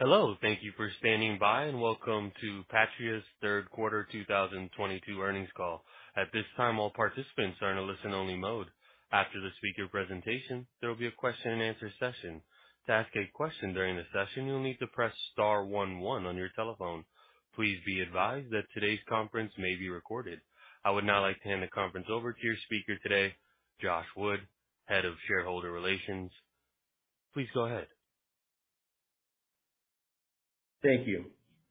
Hello, thank you for standing by, and welcome to Patria's third quarter 2022 earnings call. At this time, all participants are in a listen-only mode. After the speaker presentation, there will be a question-and-answer session. To ask a question during the session, you'll need to press star one one on your telephone. Please be advised that today's conference may be recorded. I would now like to hand the conference over to your speaker today, Josh Wood, Head of Shareholder Relations. Please go ahead. Thank you.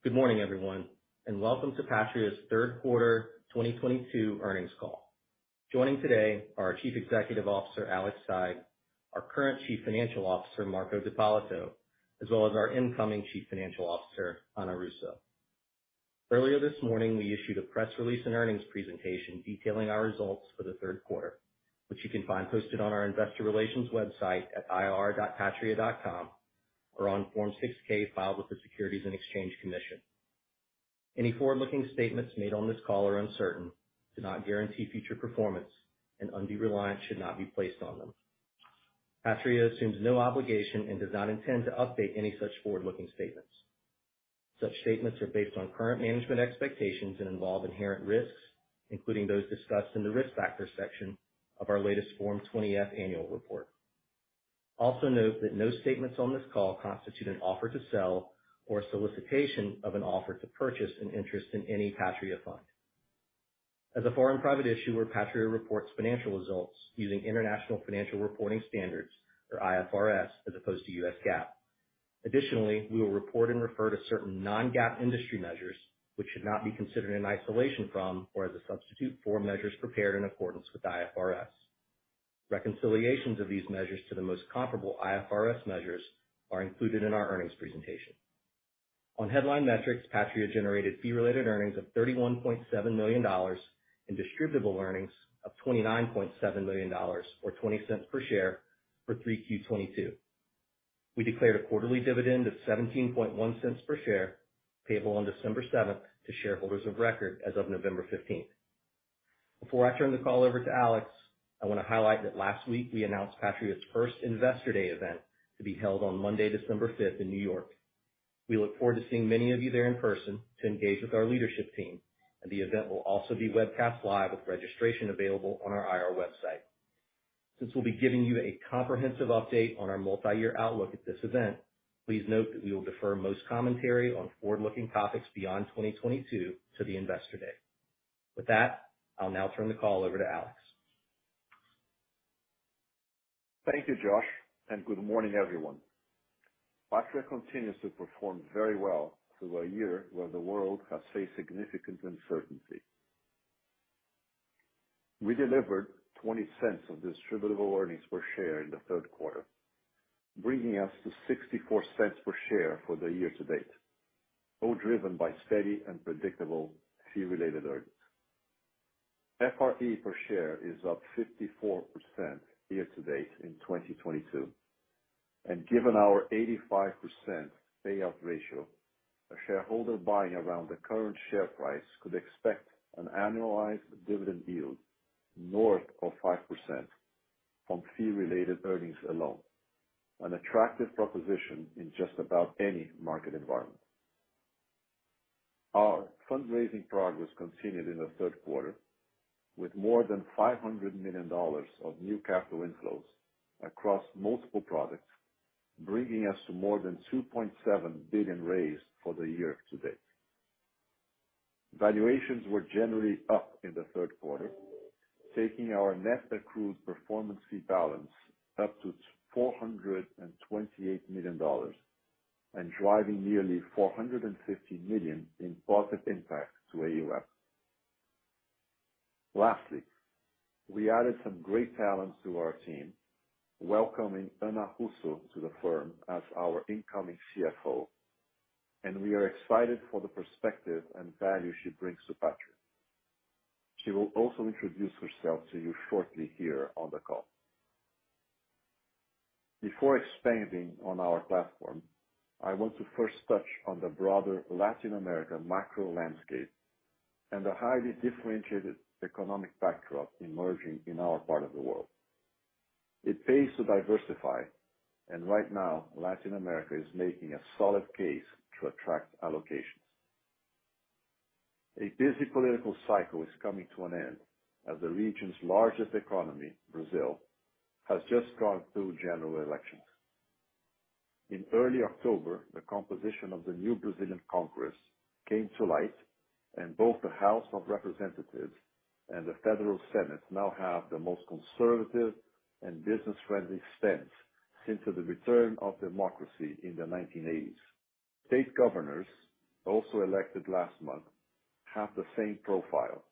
Good morning, everyone, and welcome to Patria's third quarter 2022 earnings call. Joining today are our Chief Executive Officer, Alex Saigh, our current Chief Financial Officer, Marco D'Ippolito, as well as our incoming Chief Financial Officer, Ana Russo. Earlier this morning, we issued a press release and earnings presentation detailing our results for the third quarter, which you can find posted on our investor relations website at ir.patria.com or on Form 6-K filed with the Securities and Exchange Commission. Any forward-looking statements made on this call are uncertain, do not guarantee future performance, and undue reliance should not be placed on them. Patria assumes no obligation and does not intend to update any such forward-looking statements. Such statements are based on current management expectations and involve inherent risks, including those discussed in the risk factors section of our latest Form 20-F annual report. Note that no statements on this call constitute an offer to sell or solicitation of an offer to purchase an interest in any Patria fund. As a foreign private issuer, Patria reports financial results using international financial reporting standards, or IFRS, as opposed to U.S. GAAP. Additionally, we will report and refer to certain non-GAAP industry measures which should not be considered in isolation from or as a substitute for measures prepared in accordance with IFRS. Reconciliations of these measures to the most comparable IFRS measures are included in our earnings presentation. On headline metrics, Patria generated fee-related earnings of $31.7 million and distributable earnings of $29.7 million, or $0.20 per share for 3Q 2022. We declared a quarterly dividend of $0.171 per share, payable on December 7th to shareholders of record as of November 15th. Before I turn the call over to Alex, I wanna highlight that last week we announced Patria's first Investor Day event to be held on Monday, December 5th, in New York. We look forward to seeing many of you there in person to engage with our leadership team, and the event will also be webcast live, with registration available on our IR website. Since we'll be giving you a comprehensive update on our multi-year outlook at this event, please note that we will defer most commentary on forward-looking topics beyond 2022 to the Investor Day. With that, I'll now turn the call over to Alex. Thank you, Josh, and good morning, everyone. Patria continues to perform very well through a year where the world has faced significant uncertainty. We delivered $0.20 of distributable earnings per share in the third quarter, bringing us to $0.64 per share for the year to date, all driven by steady and predictable fee-related earnings. FRE per share is up 54% year to date in 2022. Given our 85% payout ratio, a shareholder buying around the current share price could expect an annualized dividend yield north of 5% from fee-related earnings alone, an attractive proposition in just about any market environment. Our fundraising progress continued in the third quarter, with more than $500 million of new capital inflows across multiple products, bringing us to more than $2.7 billion raised for the year to date. Valuations were generally up in the third quarter, taking our net accrued performance fee balance up to $428 million and driving nearly $450 million in positive impact to AUM. Lastly, we added some great talent to our team, welcoming Ana Russo to the firm as our Incoming CFO, and we are excited for the perspective and value she brings to Patria. She will also introduce herself to you shortly here on the call. Before expanding on our platform, I want to first touch on the broader Latin America macro landscape and the highly differentiated economic backdrop emerging in our part of the world. It pays to diversify, and right now Latin America is making a solid case to attract allocations. A busy political cycle is coming to an end as the region's largest economy, Brazil, has just gone through general elections. In early October, the composition of the new Brazilian Congress came to light, and both the Chamber of Deputies and the Federal Senate now have the most conservative and business-friendly stance since the return of democracy in the 1980s. State governors, also elected last month, have the same profile.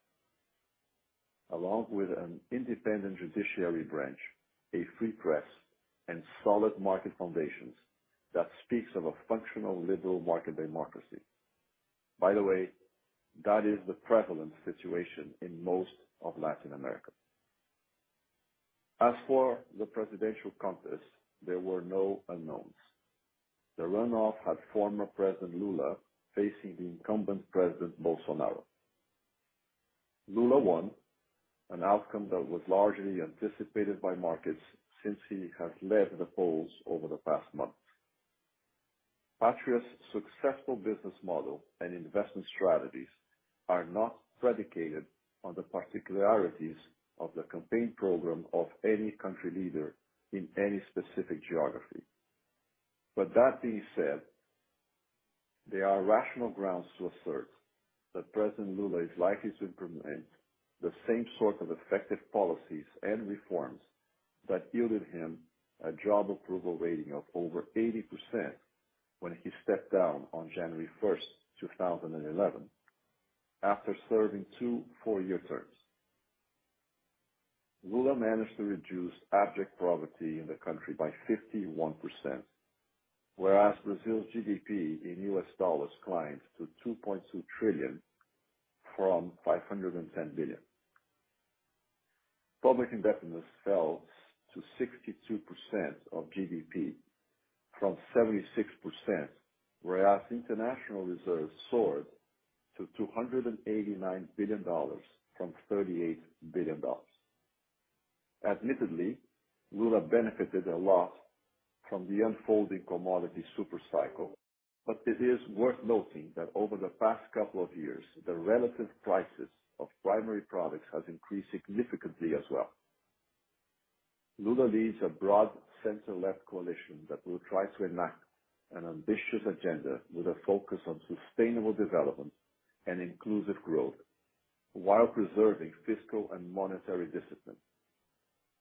Along with an independent judiciary branch, a free press, and solid market foundations that speaks of a functional liberal market democracy. By the way, that is the prevalent situation in most of Latin America. As for the presidential contest, there were no unknowns. The runoff had former President Lula facing the incumbent President Bolsonaro. Lula won an outcome that was largely anticipated by markets since he has led the polls over the past month. Patria's successful business model and investment strategies are not predicated on the particularities of the campaign program of any country leader in any specific geography. that being said, there are rational grounds to assert that President Lula is likely to implement the same sort of effective policies and reforms that yielded him a job approval rating of over 80% when he stepped down on January 1st, 2011, after serving two four-year terms. Lula managed to reduce abject poverty in the country by 51%, whereas Brazil's GDP in U.S. dollars climbed to $2.2 trillion from $510 billion. Public indebtedness fell to 62% of GDP from 76%, whereas international reserves soared to $289 billion from $38 billion. Admittedly, Lula benefited a lot from the unfolding commodity super cycle, but it is worth noting that over the past couple of years, the relative prices of primary products has increased significantly as well. Lula leads a broad center-left coalition that will try to enact an ambitious agenda with a focus on sustainable development and inclusive growth while preserving fiscal and monetary discipline,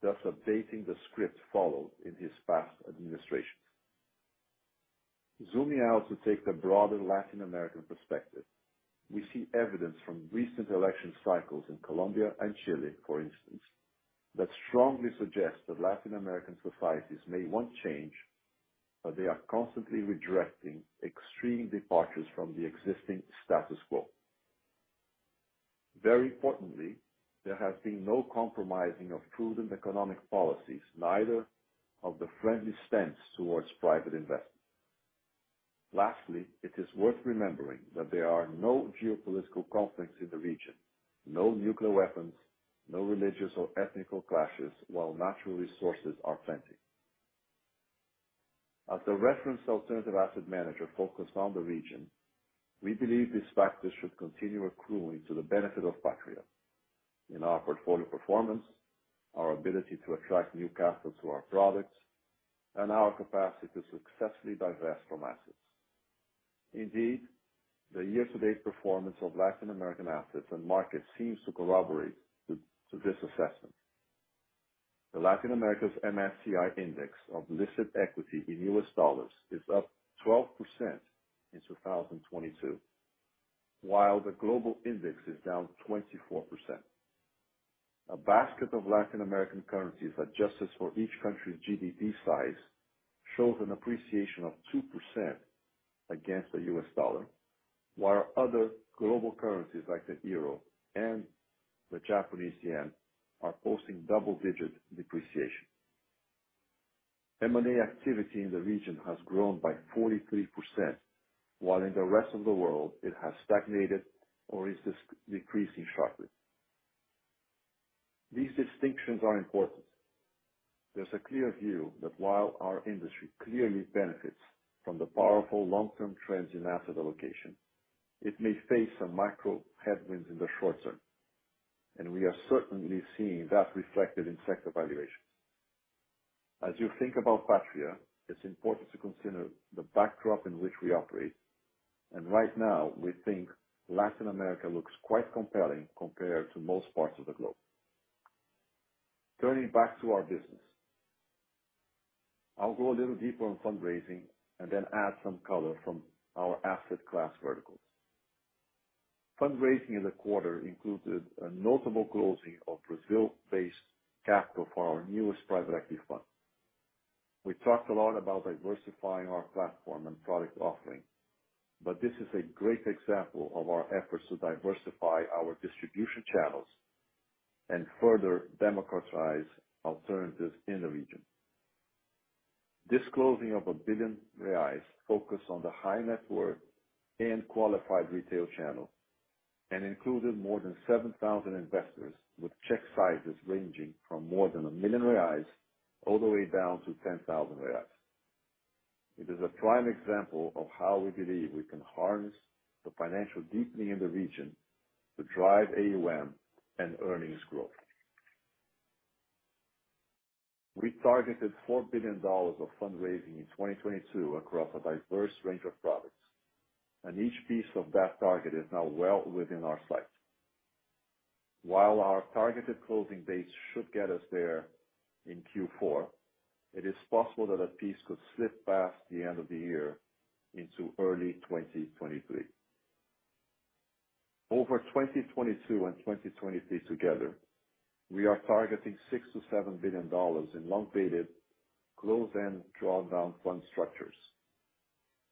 thus updating the script followed in his past administrations. Zooming out to take the broader Latin American perspective, we see evidence from recent election cycles in Colombia and Chile, for instance, that strongly suggest that Latin American societies may want change, but they are constantly rejecting extreme departures from the existing status quo. Very importantly, there has been no compromising of prudent economic policies, neither of the friendly stance towards private investment. Lastly, it is worth remembering that there are no geopolitical conflicts in the region, no nuclear weapons, no religious or ethnic clashes, while natural resources are plenty. As a reference alternative asset manager focused on the region, we believe these factors should continue accruing to the benefit of Patria in our portfolio performance, our ability to attract new capital to our products, and our capacity to successfully divest from assets. Indeed, the year-to-date performance of Latin American assets and markets seems to corroborate this assessment. The Latin America's MSCI index of listed equity in U.S. dollars is up 12% in 2022, while the global index is down 24%. A basket of Latin American currencies that adjusts for each country's GDP size shows an appreciation of 2% against the U.S. dollar, while other global currencies like the euro and the Japanese yen are posting double-digit depreciation. M&A activity in the region has grown by 43%, while in the rest of the world it has stagnated or is decreasing sharply. These distinctions are important. There's a clear view that while our industry clearly benefits from the powerful long-term trends in asset allocation, it may face some macro headwinds in the short term, and we are certainly seeing that reflected in sector valuations. As you think about Patria, it's important to consider the backdrop in which we operate, and right now, we think Latin America looks quite compelling compared to most parts of the globe. Turning back to our business. I'll go a little deeper on fundraising and then add some color from our asset class verticals. Fundraising in the quarter included a notable closing of Brazil-based capital for our newest private equity fund. We talked a lot about diversifying our platform and product offering, but this is a great example of our efforts to diversify our distribution channels and further democratize alternatives in the region. This closing of 1 billion reais focused on the high net worth and qualified retail channel and included more than 7,000 investors with check sizes ranging from more than 1 million reais all the way down to 10,000 reais. It is a prime example of how we believe we can harness the financial deepening in the region to drive AUM and earnings growth. We targeted $4 billion of fundraising in 2022 across a diverse range of products, and each piece of that target is now well within our sight. While our targeted closing dates should get us there in Q4, it is possible that a piece could slip past the end of the year into early 2023. Over 2022 and 2023 together, we are targeting $6 billion-$7 billion in long-dated closed-end drawdown fund structures.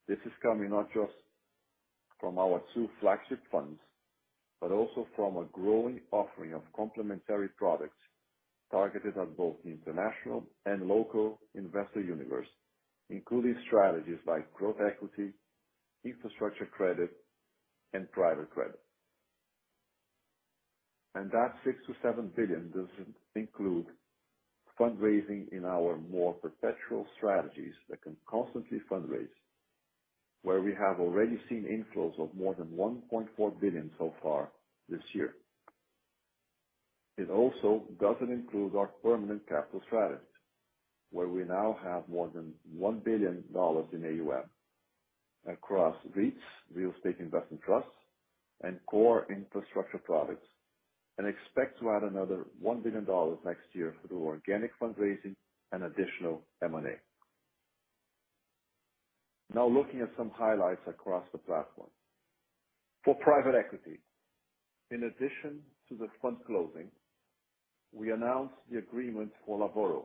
This is coming not just from our two flagship funds, but also from a growing offering of complementary products targeted at both international and local investor universe, including strategies like growth equity, infrastructure credit, and private credit. That $6 billion-$7 billion doesn't include fundraising in our more perpetual strategies that can constantly fundraise, where we have already seen inflows of more than $1.4 billion so far this year. It also doesn't include our permanent capital strategies, where we now have more than $1 billion in AUM across REITs, real estate investment trusts, and core infrastructure products, and expect to add another $1 billion next year through organic fundraising and additional M&A. Now looking at some highlights across the platform. For private equity, in addition to the fund closing, we announced the agreement for Lavoro,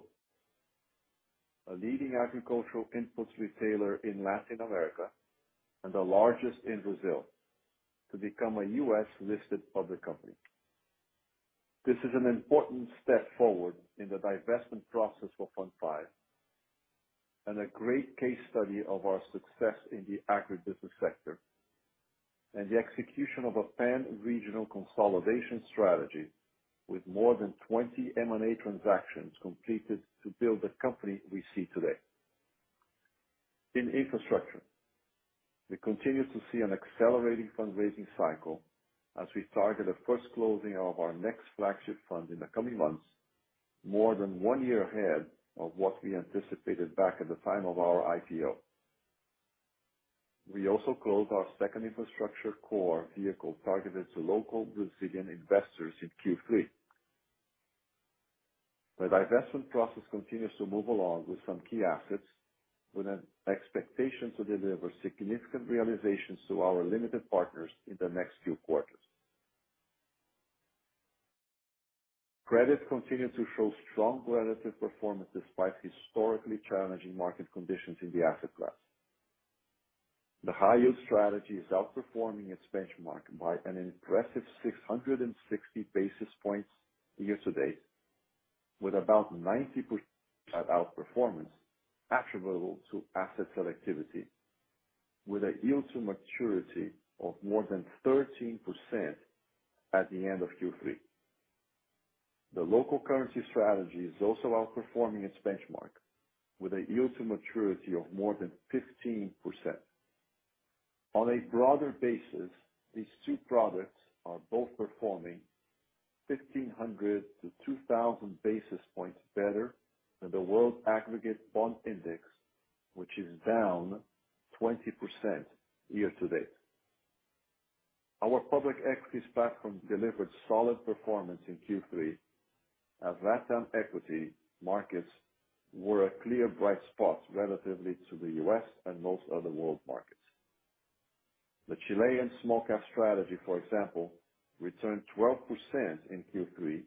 a leading agricultural inputs retailer in Latin America and the largest in Brazil, to become a U.S.-listed public company. This is an important step forward in the divestment process for Fund V, and a great case study of our success in the agribusiness sector, and the execution of a pan-regional consolidation strategy with more than 20 M&A transactions completed to build the company we see today. In infrastructure, we continue to see an accelerating fundraising cycle as we target a first closing of our next flagship fund in the coming months, more than one year ahead of what we anticipated back at the time of our IPO. We also closed our second infrastructure core vehicle targeted to local Brazilian investors in Q3. The divestment process continues to move along with some key assets, with an expectation to deliver significant realizations to our limited partners in the next few quarters. Credit continued to show strong relative performance despite historically challenging market conditions in the asset class. The high yield strategy is outperforming its benchmark by an impressive 660 basis points year to date, with about 90% of outperformance attributable to asset selectivity with a yield to maturity of more than 13% at the end of Q3. The local currency strategy is also outperforming its benchmark with a yield to maturity of more than 15%. On a broader basis, these two products are both performing 1,500-2,000 basis points better than the world aggregate bond index, which is down 20% year to date. Our public equities platform delivered solid performance in Q3 as LatAm equity markets were a clear bright spot relatively to the U.S. and most other world markets. The Chilean small cap strategy, for example, returned 12% in Q3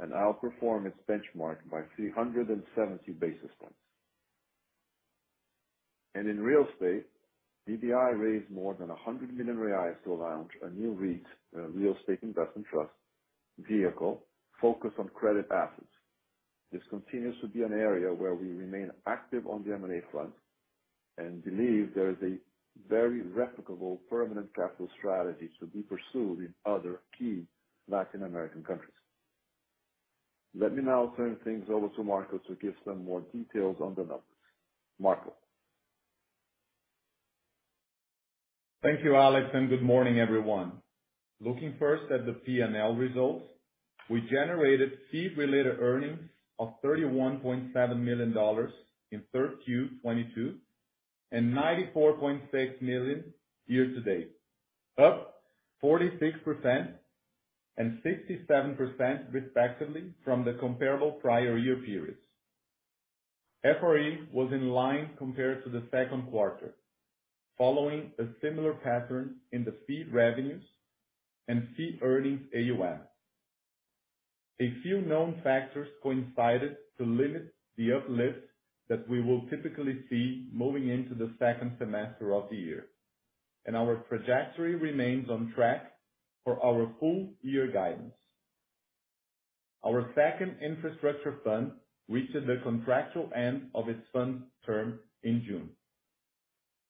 and outperformed its benchmark by 370 basis points. In real estate, VBI raised more than 100 million reais to launch a new REITs, a real estate investment trust vehicle focused on credit assets. This continues to be an area where we remain active on the M&A front and believe there is a very replicable permanent capital strategy to be pursued in other key Latin American countries. Let me now turn things over to Marco to give some more details on the numbers. Marco? Thank you, Alex, and good morning, everyone. Looking first at the P&L results, we generated fee-related earnings of $31.7 million in Q3 2022, and $94.6 million year to date. Up 46% and 67% respectively from the comparable prior year periods. FRE was in line compared to the second quarter, following a similar pattern in the fee revenues and Fee-Earning AUM. A few known factors coincided to limit the uplift that we will typically see moving into the second semester of the year. Our trajectory remains on track for our full year guidance. Our second infrastructure fund reached the contractual end of its fund term in June,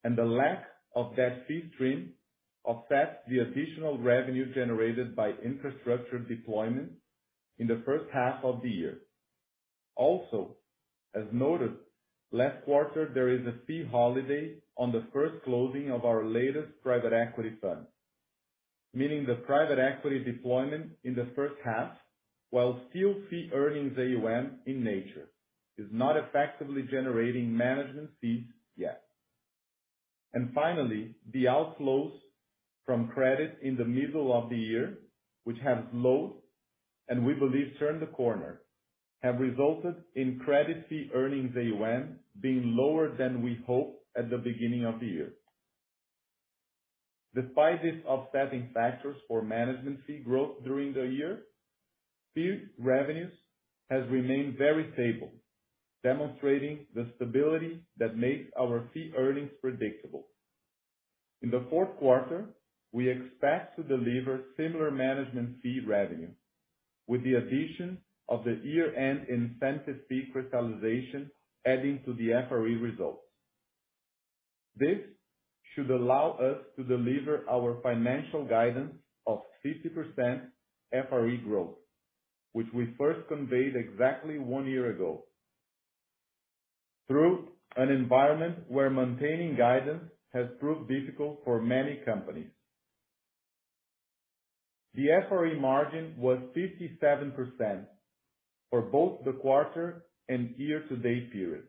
and the lack of that fee stream offsets the additional revenue generated by infrastructure deployment in the first half of the year. Also, as noted, last quarter, there is a fee holiday on the first closing of our latest private equity fund, meaning the private equity deployment in the first half, while still Fee-Earning AUM in nature, is not effectively generating management fees yet. Finally, the outflows from credit in the middle of the year, which have slowed and we believe turned the corner, have resulted in credit Fee-Earning AUM being lower than we hoped at the beginning of the year. Despite these offsetting factors for management fee growth during the year, fee revenues has remained very stable, demonstrating the stability that makes our fee earnings predictable. In the fourth quarter, we expect to deliver similar management fee revenue with the addition of the year-end incentive fee crystallization adding to the FRE results. This should allow us to deliver our financial guidance of 50% FRE growth, which we first conveyed exactly one year ago through an environment where maintaining guidance has proved difficult for many companies. The FRE margin was 57% for both the quarter and year-to-date period,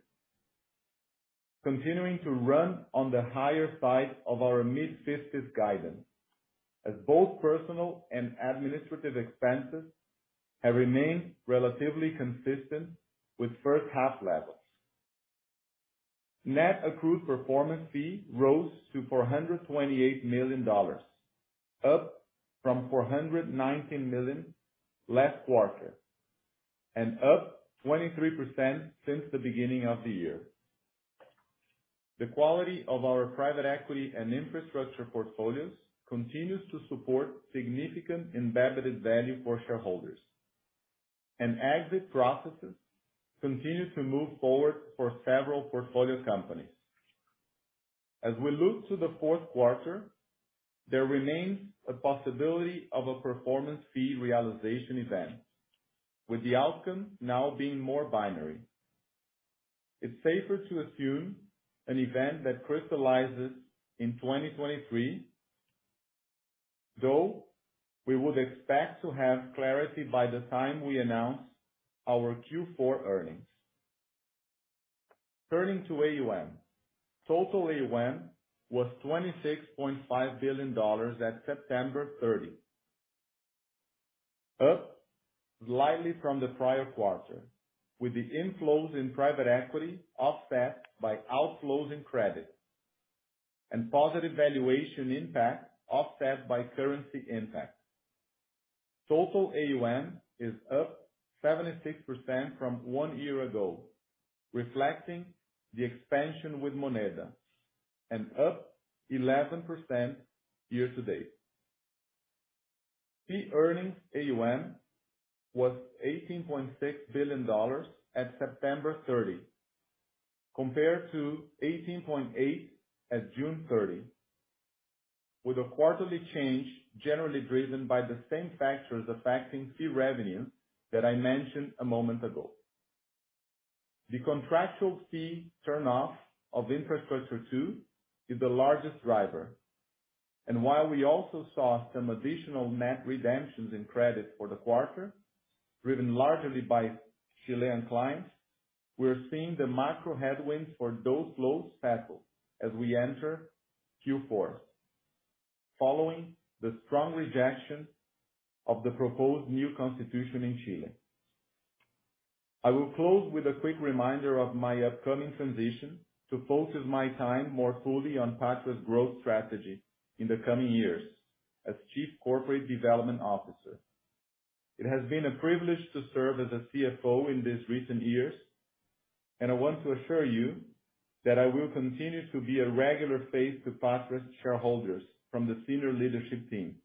continuing to run on the higher side of our mid-50s guidance as both personal and administrative expenses have remained relatively consistent with first half levels. Net accrued performance fee rose to $428 million, up from $419 million last quarter, and up 23% since the beginning of the year. The quality of our private equity and infrastructure portfolios continues to support significant embedded value for shareholders, and exit processes continue to move forward for several portfolio companies. As we look to the fourth quarter, there remains a possibility of a performance fee realization event, with the outcome now being more binary. It's safer to assume an event that crystallizes in 2023, though we would expect to have clarity by the time we announce our Q4 earnings. Turning to AUM. Total AUM was $26.5 billion at September 30, up slightly from the prior quarter, with the inflows in private equity offset by outflows in credit and positive valuation impact offset by currency impact. Total AUM is up 76% from one year ago, reflecting the expansion with Moneda and up 11% year to date. Fee-Earning AUM was $18.6 billion at September 30, compared to 18.8 at June 30, with a quarterly change generally driven by the same factors affecting fee revenue that I mentioned a moment ago. The contractual fee turnoff of Infrastructure Two is the largest driver. While we also saw some additional net redemptions in credit for the quarter, driven largely by Chilean clients, we're seeing the macro headwinds for those flows settle as we enter Q4, following the strong rejection of the proposed new constitution in Chile. I will close with a quick reminder of my upcoming transition to focus my time more fully on Patria's growth strategy in the coming years as Chief Corporate Development Officer. It has been a privilege to serve as a CFO in these recent years, and I want to assure you that I will continue to be a regular face to Patria's shareholders from the senior leadership team.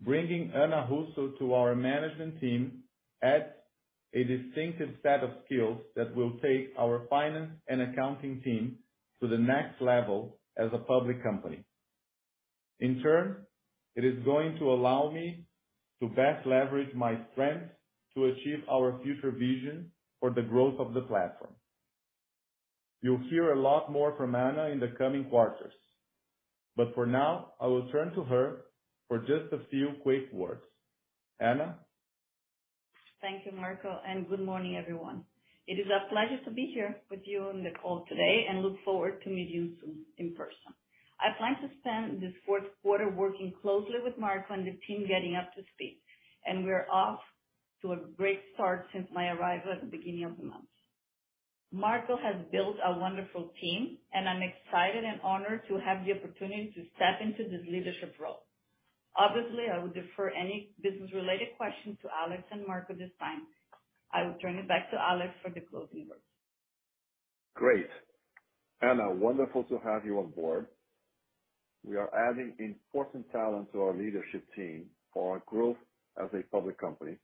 Bringing Ana Russo to our management team adds a distinctive set of skills that will take our finance and accounting team to the next level as a public company. In turn, it is going to allow me to best leverage my strengths to achieve our future vision for the growth of the platform. You'll hear a lot more from Ana in the coming quarters, but for now, I will turn to her for just a few quick words. Ana? Thank you, Marco, and good morning, everyone. It is a pleasure to be here with you on the call today and look forward to meeting you soon in person. I plan to spend this fourth quarter working closely with Marco and the team getting up to speed, and we're off to a great start since my arrival at the beginning of the month. Marco has built a wonderful team, and I'm excited and honored to have the opportunity to step into this leadership role. Obviously, I would defer any business-related questions to Alex and Marco this time. I will turn it back to Alex for the closing words. Great. Ana, wonderful to have you on board. We are adding important talent to our leadership team for our growth as a public company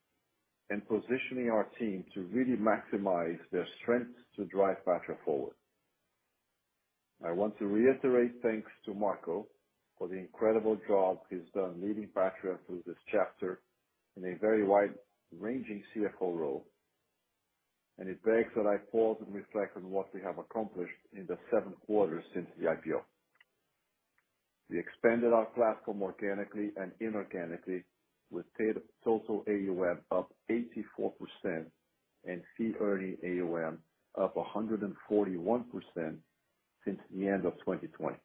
and positioning our team to really maximize their strengths to drive Patria forward. I want to reiterate thanks to Marco for the incredible job he's done leading Patria through this chapter in a very wide-ranging CFO role. It begs that I pause and reflect on what we have accomplished in the seven quarters since the IPO. We expanded our platform organically and inorganically with paid total AUM up 84% and Fee-Earning AUM up 141% since the end of 2020.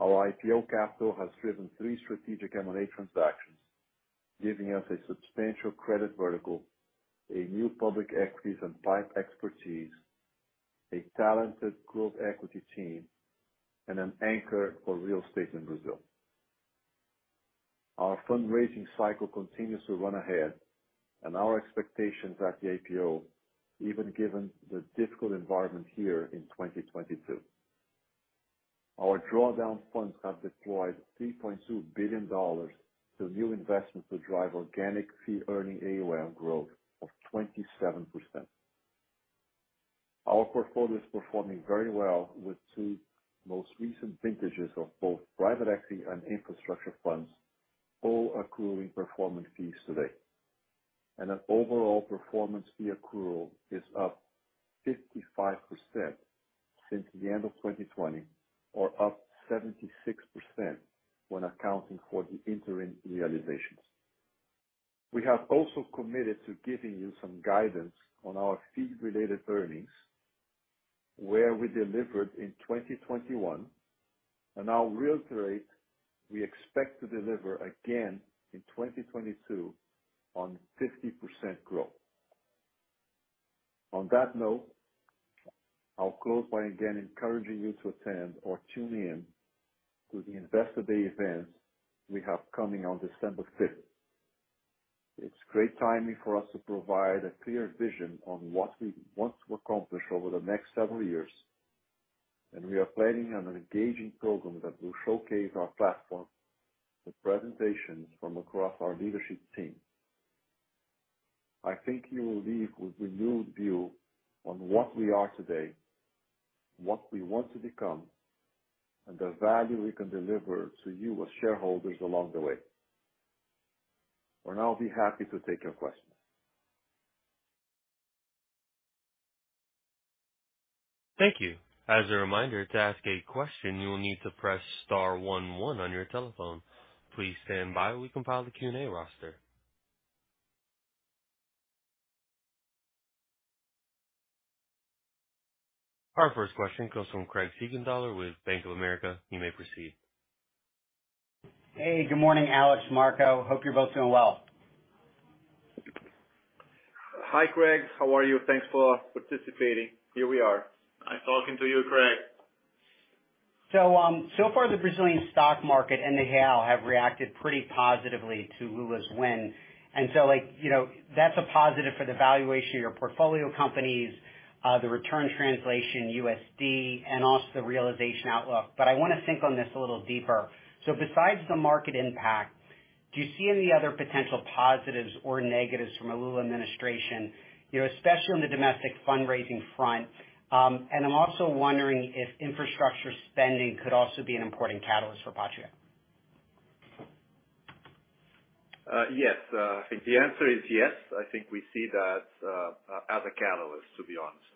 Our IPO capital has driven three strategic M&A transactions, giving us a substantial credit vertical, a new public equities and type expertise, a talented growth equity team, and an anchor for real estate in Brazil. Our fundraising cycle continues to run ahead of our expectations at the IPO, even given the difficult environment here in 2022. Our drawdown funds have deployed $3.2 billion to new investments to drive organic Fee-Earning AUM growth of 27%. Our portfolio is performing very well with two most recent vintages of both private equity and infrastructure funds all accruing performance fees today. An overall performance fee accrual is up 55% since the end of 2020 or up 76% when accounting for the interim realizations. We have also committed to giving you some guidance on our fee-related earnings, where we delivered in 2021. Our real rate, we expect to deliver again in 2022 on 50% growth. On that note, I'll close by again encouraging you to attend or tune in to the Patria Day event we have coming on December 5th. It's great timing for us to provide a clear vision on what we want to accomplish over the next several years, and we are planning on an engaging program that will showcase our platform with presentations from across our leadership team. I think you will leave with renewed view on what we are today, what we want to become, and the value we can deliver to you as shareholders along the way. We'll now be happy to take your questions. Thank you. As a reminder, to ask a question, you will need to press star one one on your telephone. Please stand by. We compile the Q&A roster. Our first question comes from Craig Siegenthaler with Bank of America. You may proceed. Hey, good morning, Alex, Marco. Hope you're both doing well. Hi, Craig. How are you? Thanks for participating. Here we are. Nice talking to you, Craig. So far the Brazilian stock market and the real have reacted pretty positively to Lula's win. Like, you know, that's a positive for the valuation of your portfolio companies, the return translation to USD, and also the realization outlook. I wanna think on this a little deeper. Besides the market impact, do you see any other potential positives or negatives from a Lula administration, you know, especially on the domestic fundraising front? I'm also wondering if infrastructure spending could also be an important catalyst for Patria. Yes. I think the answer is yes. I think we see that as a catalyst, to be honest.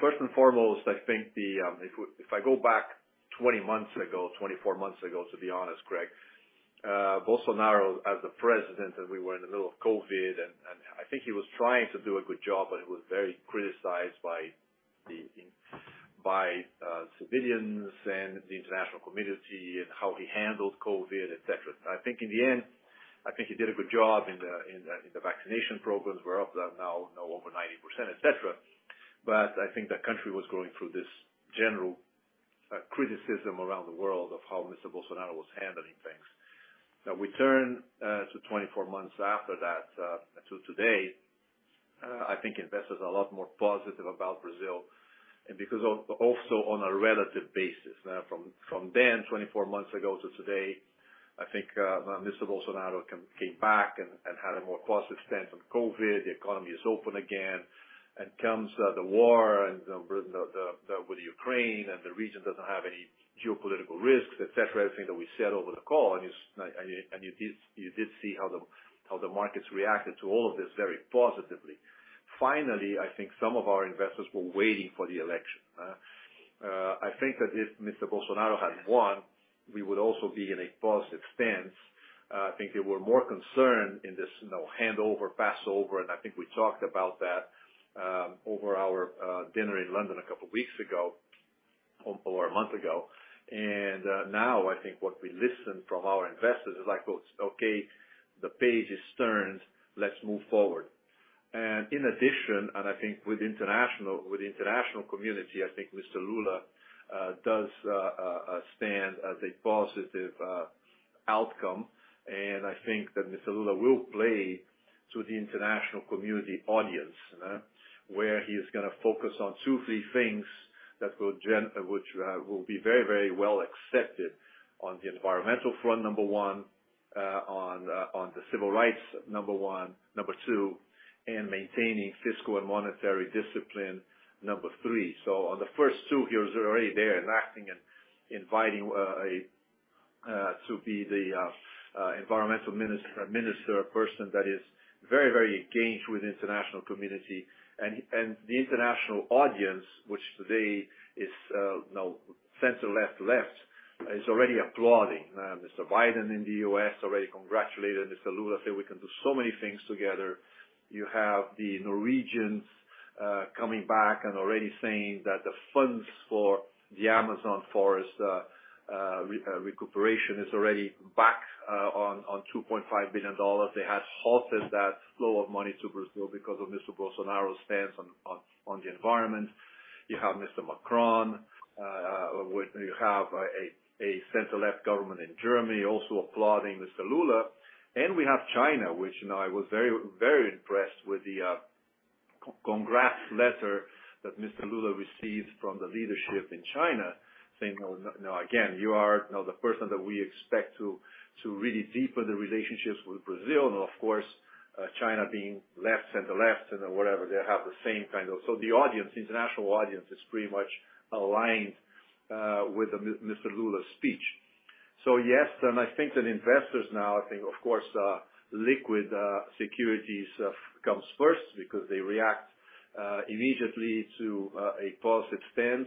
First and foremost, I think if I go back 24 months ago, to be honest, Craig, Bolsonaro as the president, and we were in the middle of COVID and I think he was trying to do a good job, but he was very criticized by civilians and the international community and how he handled COVID, et cetera. I think in the end, I think he did a good job in the vaccination programs. We're up there now, you know, over 90%, et cetera. But I think the country was going through this general criticism around the world of how Mr. Bolsonaro was handling things. Now we turn to 24 months after that to today. I think investors are a lot more positive about Brazil and because of also on a relative basis. From then, 24 months ago to today, I think when Mr. Bolsonaro came back and had a more positive stance on COVID, the economy is open again and comes the war with Ukraine and the region doesn't have any geopolitical risks, et cetera. Everything that we said over the call and you did see how the markets reacted to all of this very positively. Finally, I think some of our investors were waiting for the election. I think that if Mr. Bolsonaro had won, we would also be in a positive stance. I think they were more concerned in this, you know, handover process, and I think we talked about that over our dinner in London a couple weeks ago or a month ago. Now I think what we hear from our investors is like, "Okay, the page has turned. Let's move forward." In addition, I think with the international community, I think Mr. Lula does stand as a positive outcome. I think that Mr. Lula will play to the international community audience, where he is gonna focus on two, three things that will which will be very, very well accepted on the environmental front, number one, on the civil rights, number one. Number two, in maintaining fiscal and monetary discipline, number three. On the first two, he was already there and acting and inviting to be the environmental minister person that is very, very engaged with international community. The international audience, which today is, you know, center left, is already applauding. Mr. Biden in the U.S. already congratulated Mr. Lula, said we can do so many things together. You have the Norwegians coming back and already saying that the funds for the Amazon forest recuperation is already back on $2.5 billion. They had halted that flow of money to Brazil because of Mr. Bolsonaro's stance on the environment. You have Mr. Macron. You have a center left government in Germany also applauding Mr. Lula, we have China, which, you know, I was very, very impressed with the congrats letter that Mr. Lula received from the leadership in China, saying, you know, now again, you are, you know, the person that we expect to really deepen the relationships with Brazil. Of course, China being left and the left and then whatever, they have the same kind of. The international audience is pretty much aligned with Mr. Lula's speech. Yes, I think that investors now think, of course, liquid securities comes first because they react immediately to a fiscal expense.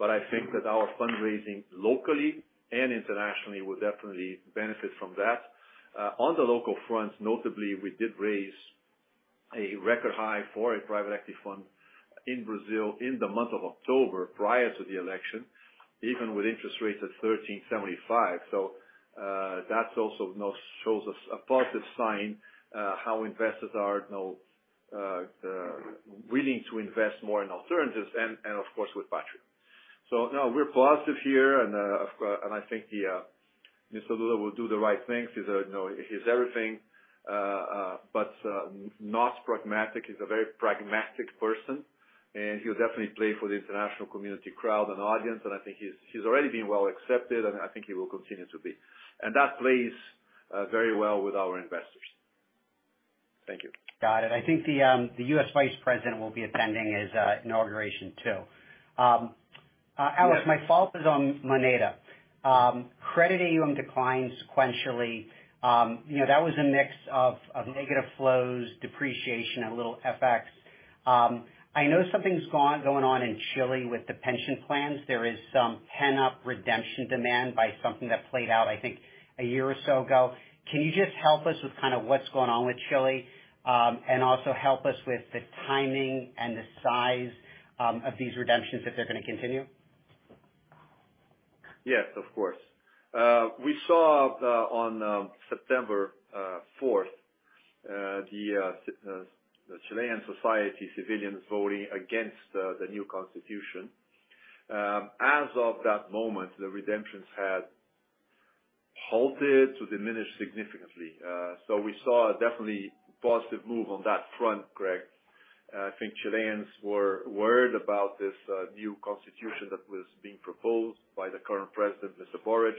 I think that our fundraising locally and internationally will definitely benefit from that. On the local front, notably, we did raise a record high for a private equity fund in Brazil in the month of October, prior to the election, even with interest rates at 13.75%. That also now shows us a positive sign, how investors are now willing to invest more in alternatives and of course, with Patria. No, we're positive here. I think the Mr. Lula will do the right thing. He's you know, he's everything but not pragmatic. He's a very pragmatic person, and he'll definitely play for the international community crowd and audience. I think he's already been well accepted, and I think he will continue to be. That plays very well with our investors. Thank you. Got it. I think the U.S. vice president will be attending his inauguration too. Alex, my follow-up is on Moneda. Credit AUM declined sequentially. You know, that was a mix of negative flows, depreciation, a little FX. I know something's going on in Chile with the pension plans. There is some pent-up redemption demand by something that played out, I think, a year or so ago. Can you just help us with kind of what's going on with Chile? Also help us with the timing and the size of these redemptions, if they're gonna continue. Yes, of course. We saw the on September 4th, the Chilean society civilians voting against the new constitution. As of that moment, the redemptions had started to diminish significantly. We saw a definite positive move on that front, Craig. I think Chileans were worried about this new constitution that was being proposed by the current president, Mr. Boric.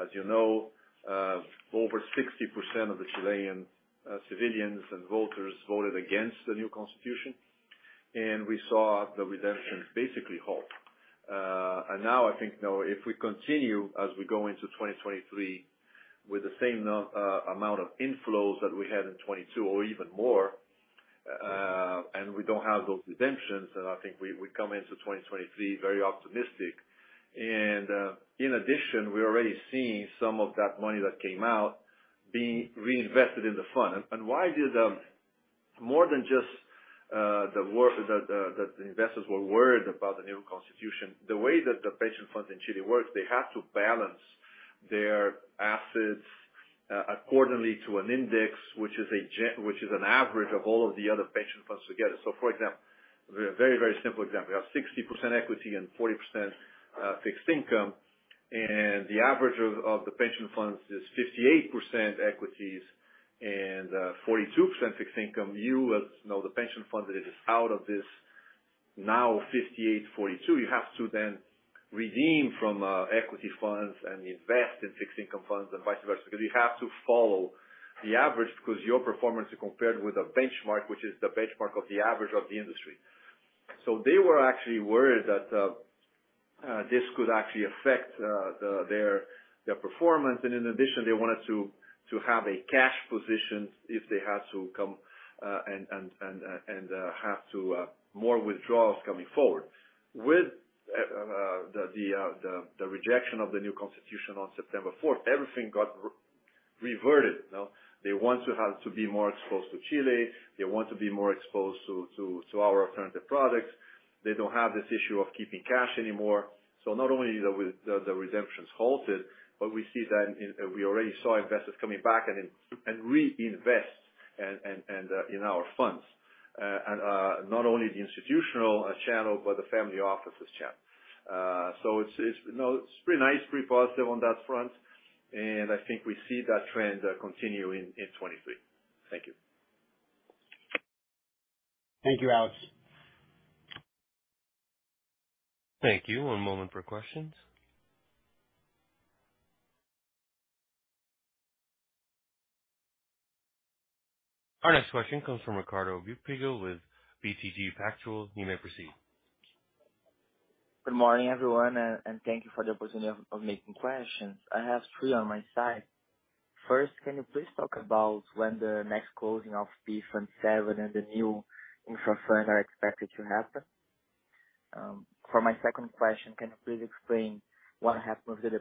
As you know, over 60% of the Chilean civilians and voters voted against the new constitution, and we saw the redemptions basically halt. Now I think, you know, if we continue as we go into 2023 with the same amount of inflows that we had in 2022 or even more, and we don't have those redemptions, then I think we come into 2023 very optimistic. In addition, we're already seeing some of that money that came out being reinvested in the fund. Investors were worried about the new constitution. The way that the pension fund in Chile works, they have to balance their assets according to an index, which is an average of all of the other pension funds together. For example, a very, very simple example, you have 60% equity and 40% fixed income, and the average of the pension funds is 58% equities and 42% fixed income. You, as you know, the pension fund that is out of this now 58/42, you have to then redeem from equity funds and invest in fixed income funds and vice versa, because you have to follow the average because your performance is compared with a benchmark, which is the benchmark of the average of the industry. They were actually worried that this could actually affect their performance. In addition, they wanted to have a cash position if they had to have more withdrawals coming forward. With the rejection of the new constitution on September 4th, everything got reverted, you know? They want to have to be more exposed to Chile. They want to be more exposed to our alternative products. They don't have this issue of keeping cash anymore. Not only the redemptions halted, but we see that. We already saw investors coming back and reinvest in our funds and not only the institutional channel, but the family offices channel. It's you know, it's pretty nice, pretty positive on that front, and I think we see that trend continuing in 2023. Thank you. Thank you, Alex. Thank you. One moment for questions. Our next question comes from Ricardo Buchpiguel with BTG Pactual. You may proceed. Good morning, everyone, thank you for the opportunity of making questions. I have three on my side. First, can you please talk about when the next closing of PE Fund VII and the new infra fund are expected to happen? For my second question, can you please explain what happened to the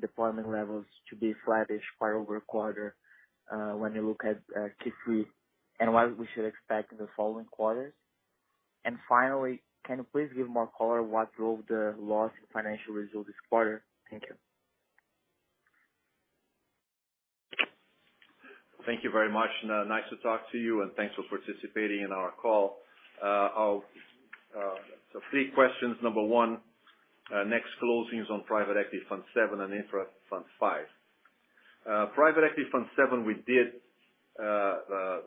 deployment levels to be flattish quarter-over-quarter, when you look at Q3, and what we should expect in the following quarters? Finally, can you please give more color what drove the loss in financial results this quarter? Thank you. Thank you very much, and, nice to talk to you, and thanks for participating in our call. I'll, Three questions. Number one, next closings on Private Equity Fund VII and Infra Fund V. Private Equity Fund VII, we did a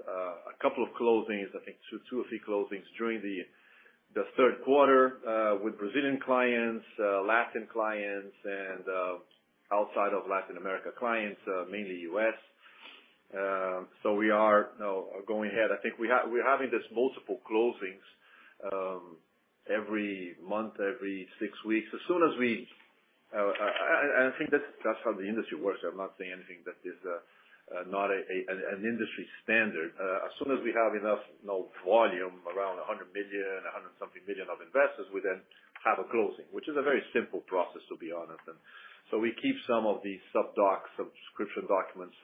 couple of closings, I think two or three closings during the third quarter, with Brazilian clients, Latin clients, and outside of Latin America clients, mainly U.S. We are now going ahead. I think we're having this multiple closings every month, every six weeks. As soon as we, I, and I think that's how the industry works. I'm not saying anything that is not an industry standard. As soon as we have enough, you know, volume, around $100 million, $100-something million of investments, we then have a closing, which is a very simple process, to be honest. We keep some of these sub docs, subscription documents,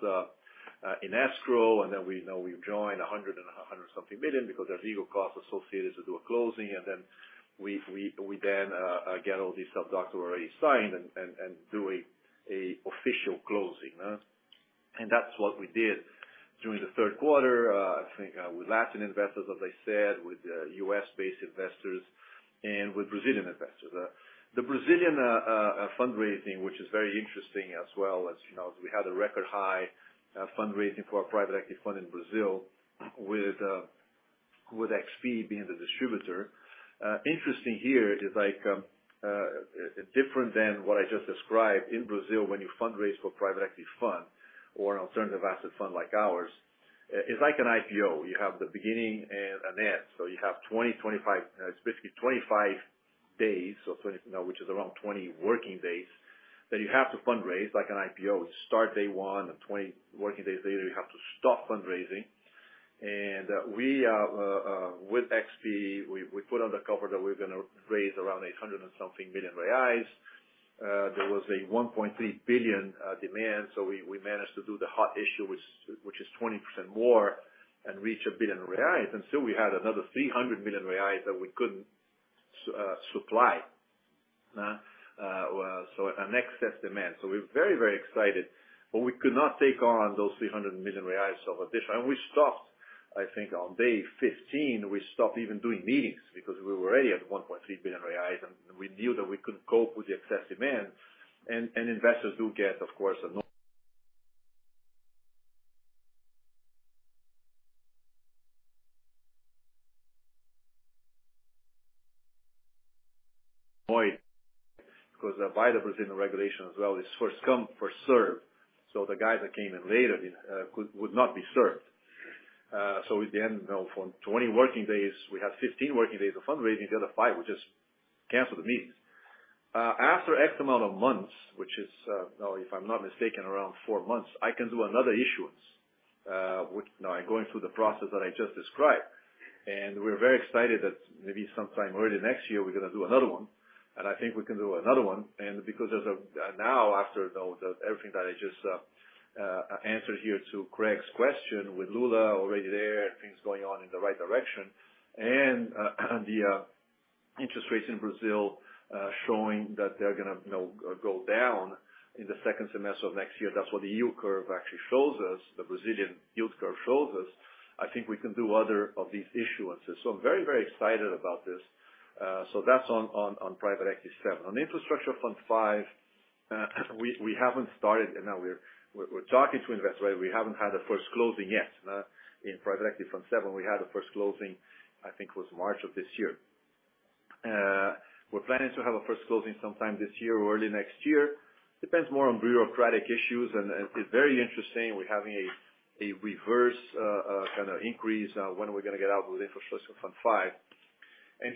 in escrow, and then we know we've reached $100 and $100-something million because there's legal costs associated to do a closing. We then get all these sub docs already signed and do an official closing. That's what we did during the third quarter, I think, with Latin investors, as I said, with U.S.-based investors and with Brazilian investors. The Brazilian fundraising, which is very interesting as well, as you know, we had a record high fundraising for our private equity fund in Brazil with XP being the distributor. Interesting here is like different than what I just described. In Brazil, when you fundraise for private equity fund or an alternative asset fund like ours, it's like an IPO. You have the beginning and an end. You have 25, it's basically 25 days. You know, which is around 20 working days that you have to fundraise, like an IPO. Start day one, and 20 working days later you have to stop fundraising. With XP, we put on the cover that we're gonna raise around 800 and something million. There was 1.3 billion demand, so we managed to do the hot issue which is 20% more and reach 1 billion reais. Still we had another 300 million reais that we couldn't supply. An excess demand. We're very excited, but we could not take on those 300 million reais additional. We stopped, I think on day 15, we stopped even doing meetings because we were already at 1.3 billion reais, and we knew that we couldn't cope with the excess demand. Investors do get, of course, pro-rata, 'cause by the Brazilian regulation as well, it's first come, first served. The guys that came in later would not be served. At the end, you know, from 20 working days, we had 15 working days of fundraising. The other five, we just canceled the meetings. After a amount of months, which is now if I'm not mistaken around four months, I can do another issuance. Now I'm going through the process that I just described. We're very excited that maybe sometime early next year we're gonna do another one, and I think we can do another one. Because there's now after, you know, everything that I just answered here to Craig's question with Lula already there and things going on in the right direction and the interest rates in Brazil showing that they're gonna, you know, go down in the second semester of next year. That's what the yield curve actually shows us, the Brazilian yield curve shows us. I think we can do other of these issuances. I'm very, very excited about this. That's on private equity seven. On infrastructure fund V, we haven't started. You know, we're talking to investors. We haven't had a first closing yet. In private equity fund VII, we had a first closing, I think it was March of this year. We're planning to have a first closing sometime this year or early next year. Depends more on bureaucratic issues and it's very interesting. We're having a reverse kind of increase when we're gonna get out with infrastructure fund V.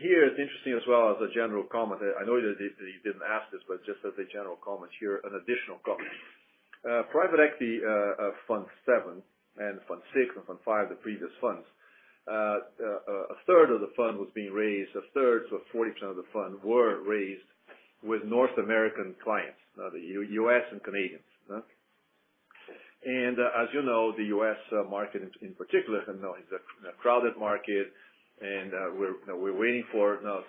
Here it's interesting as well as a general comment. I know that you didn't ask this, but just as a general comment here, an additional comment. Private equity fund VII and fund VI and fund V, the previous funds, 1/3 of the fund was being raised, 1/3, so 40% of the fund were raised with North American clients, U.S. and Canadians. And as you know, the U.S. market in particular, you know, is a crowded market and, we're, you know, we're waiting for, you know,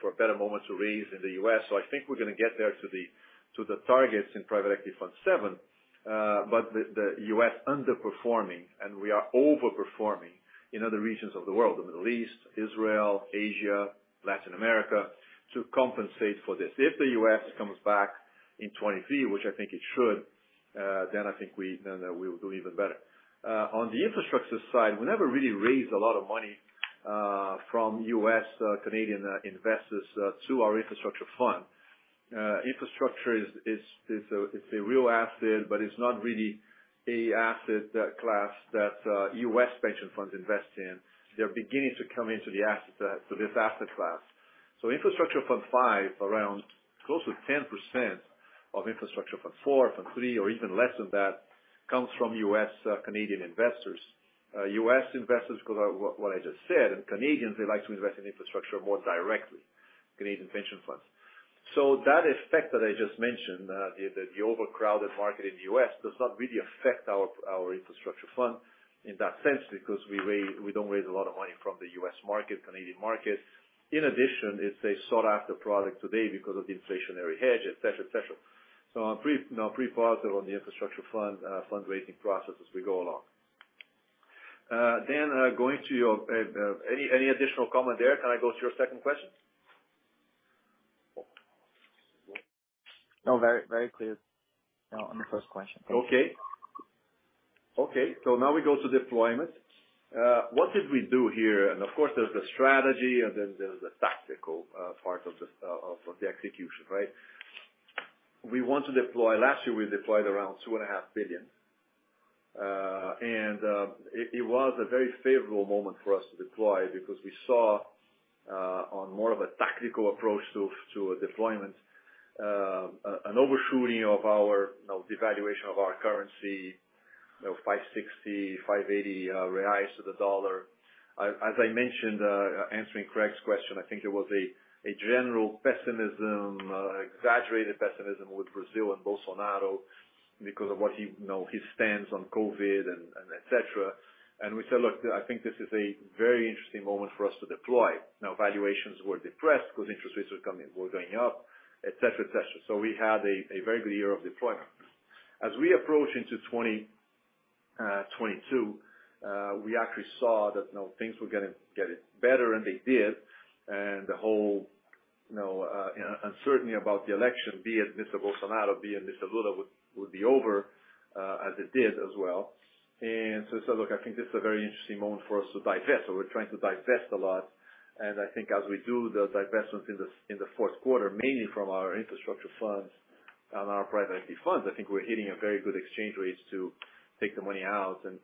for a better moment to raise in the U.S. I think we're gonna get there to the targets in Private Equity Fund VII. But the U.S. underperforming and we are overperforming in other regions of the world, the Middle East, Israel, Asia, Latin America, to compensate for this. If the U.S. comes back in 2023, which I think it should, then I think we will do even better. On the infrastructure side, we never really raised a lot of money from U.S., Canadian investors to our infrastructure fund. Infrastructure is a real asset, but it's not really a asset class that U.S. pension funds invest in. They're beginning to come into the asset to this asset class. Infrastructure Fund V, around close to 10% of Infrastructure Fund IV, Fund III or even less than that, comes from U.S., Canadian investors. U.S. investors, 'cause what I just said, and Canadians, they like to invest in infrastructure more directly, Canadian pension funds. That effect that I just mentioned, the overcrowded market in the U.S., does not really affect our infrastructure fund. In that sense, because we don't raise a lot of money from the U.S. market, Canadian market. In addition, it's a sought-after product today because of the inflationary hedge, et cetera. I'm now pretty positive on the infrastructure fund fundraising process as we go along. Going to your any additional comment there? Can I go to your second question? No, very, very clear on the first question. Thank you. Now we go to deployment. What did we do here? Of course, there's the strategy and then there's the tactical part of the execution, right? We want to deploy. Last year we deployed around $2.5 billion. It was a very favorable moment for us to deploy because we saw, on more of a tactical approach to deployment, an overshooting of our devaluation of our currency, you know, 5.60-5.80 reais to the dollar. As I mentioned, answering Craig's question, I think there was a general pessimism, exaggerated pessimism with Brazil and Bolsonaro because of what he, you know, his stance on COVID and et cetera. We said, look, I think this is a very interesting moment for us to deploy. Now, valuations were depressed because interest rates were going up, et cetera, et cetera. We had a very good year of deployment. As we approach into 2022, we actually saw that, you know, things were gonna get better, and they did. The whole, you know, uncertainty about the election, be it Mr. Bolsonaro, be it Mr. Lula, would be over, as it did as well. We said, look, I think this is a very interesting moment for us to divest. We're trying to divest a lot. I think as we do the divestments in the fourth quarter, mainly from our infrastructure funds and our private equity funds, I think we're hitting a very good exchange rates to take the money out and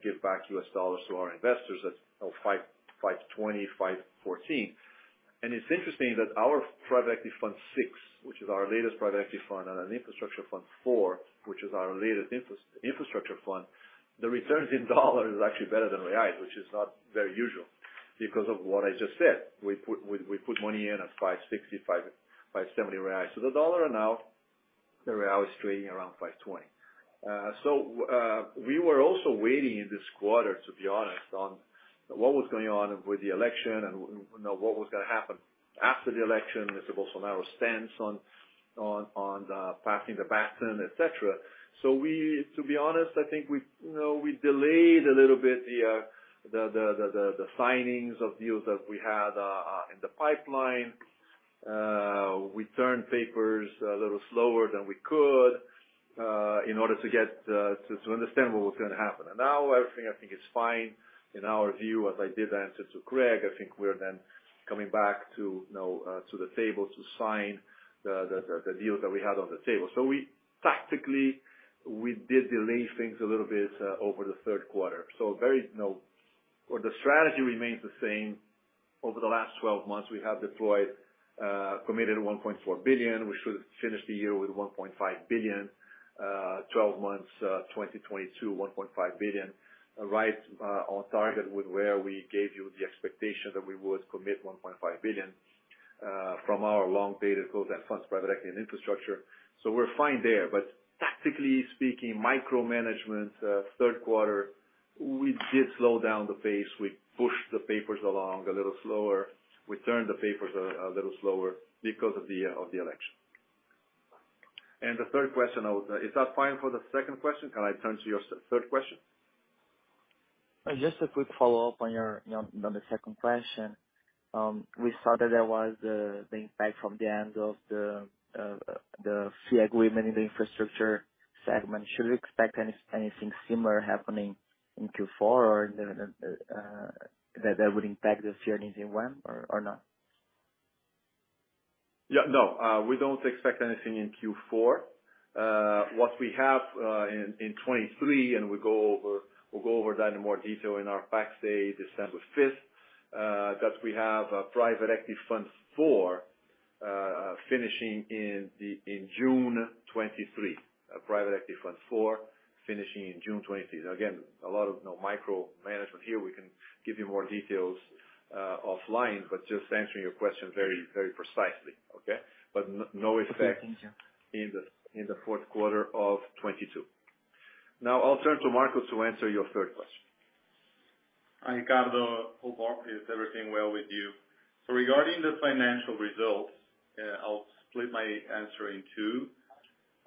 give back U.S. dollars to our investors. That's 5.20, 5.14. It's interesting that our Private Equity Fund VI, which is our latest private equity fund, and an Infrastructure Fund IV, which is our latest infrastructure fund, the returns in dollar is actually better than reais, which is not very usual because of what I just said. We put money in at 5.60 reais, BRL 5.70. The dollar now, the real is trading around 5.20. We were also waiting in this quarter, to be honest, on what was going on with the election and, you know, what was gonna happen after the election, Mr. Bolsonaro's stance on passing the baton, et cetera. To be honest, I think, you know, we delayed a little bit the signings of deals that we had in the pipeline. We turned papers a little slower than we could in order to get to understand what was gonna happen. Now everything I think is fine in our view. As I did answer to Craig, I think we're then coming back to, you know, to the table to sign the deals that we had on the table. We tactically, we did delay things a little bit over the third quarter. Very, you know. Well, the strategy remains the same. Over the last 12 months, we have deployed committed $1.4 billion. We should finish the year with $1.5 billion, 12 months, 2022, $1.5 billion. Right, on target with where we gave you the expectation that we would commit $1.5 billion from our long dated growth and funds private equity and infrastructure. We're fine there. Tactically speaking, micromanagement, third quarter, we did slow down the pace. We pushed the papers along a little slower. We turned the papers a little slower because of the election. Is that fine for the second question? Can I turn to your third question? Just a quick follow-up on the second question. We saw that there was the impact from the end of the fee agreement in the infrastructure segment. Should we expect anything similar happening in Q4 or that would impact this year and then or not? Yeah, no, we don't expect anything in Q4. What we have in 2023, and we'll go over that in more detail in our Patria Day December 5th, that we have a Private Equity Fund IV finishing in June 2023. Private Equity Fund IV finishing in June 2023. Again, a lot of, you know, micromanagement here. We can give you more details offline, but just answering your question very, very precisely, okay? No effect- Perfect. Thank you. In the fourth quarter of 2022. Now I'll turn to Marco to answer your third question. Hi, Ricardo. Hope everything is well with you. Regarding the financial results, I'll split my answer in two.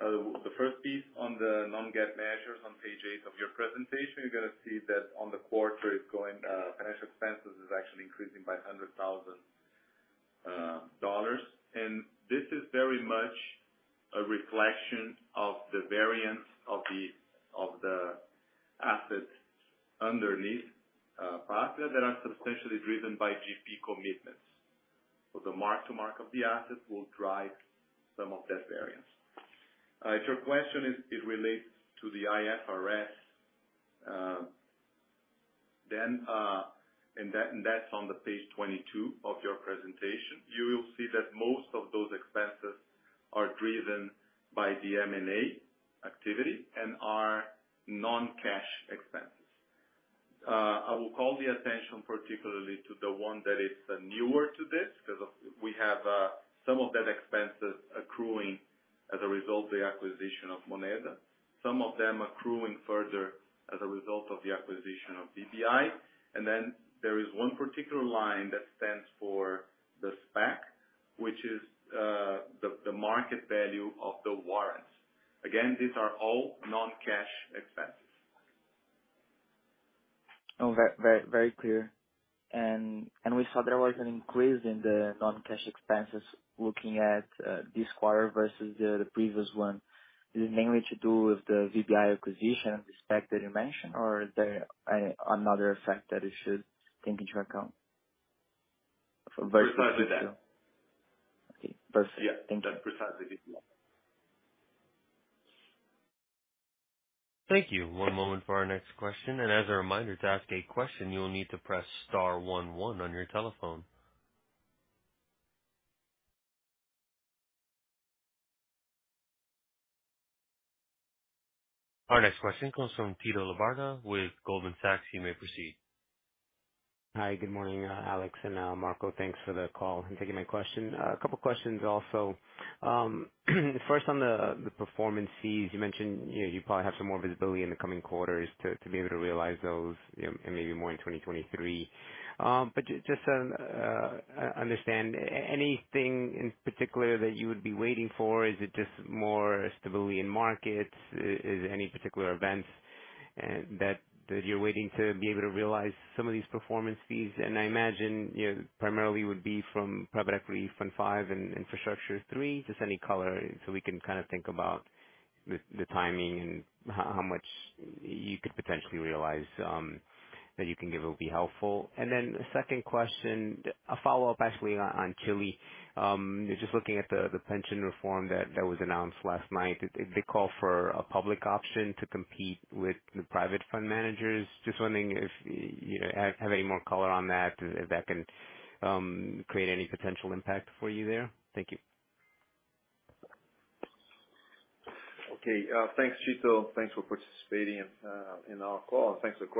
The first piece on the non-GAAP measures on page eight of your presentation, you're gonna see that on the quarter, financial expenses is actually increasing by $100,000. This is very much a reflection of the variance of the assets underneath Patria that are substantially driven by GP commitments. The mark-to-market of the assets will drive some of that variance. If your question relates to the IFRS, then that's on page 22 of your presentation. You will see that most of those expenses are driven by the M&A activity and are non-cash expenses. I will call the attention particularly to the one that is newer to this because we have some of that expenses accruing as a result of the acquisition of Moneda. Some of them accruing further as a result of the acquisition of VBI. Then there is one particular line that stands for the SPAC, which is the market value of the warrants. Again, these are all non-cash expenses. Oh, very clear. We saw there was an increase in the non-cash expenses looking at this quarter versus the previous one. Is it mainly to do with the VBI acquisition and the SPAC that you mentioned or is there another effect that we should take into account for versus. Precisely that. Okay. Yeah. I think that precisely VBI. Thank you. One moment for our next question, and as a reminder, to ask a question, you will need to press star one one on your telephone. Our next question comes from Tito Labarta with Goldman Sachs. You may proceed. Hi. Good morning, Alex and Marco. Thanks for the call and taking my question. A couple questions also. First on the performance fees. You mentioned, you know, you probably have some more visibility in the coming quarters to be able to realize those and maybe more in 2023. Just so I can understand, anything in particular that you would be waiting for? Is it just more stability in markets? Is any particular events that you're waiting to be able to realize some of these performance fees? I imagine, you know, primarily would be from private equity fund V and infrastructure III. Just any color so we can kind of think about the timing and how much you could potentially realize that you can give will be helpful. The second question, a follow-up actually on Chile. Just looking at the pension reform that was announced last night. Did they call for a public option to compete with the private fund managers? Just wondering if, you know, have any more color on that, if that can create any potential impact for you there. Thank you. Okay. Thanks, Tito. Thanks for participating in our call. Thanks for the